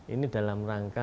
ini dalam rangka